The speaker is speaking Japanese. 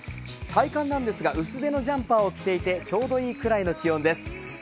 体感なんですが薄手のジャンパーを着ていてちょうどいいぐらいです。